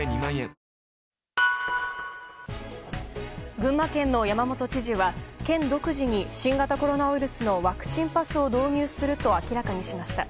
群馬県の山本知事は県独自に新型コロナウイルスのワクチンパスを導入すると明らかにしました。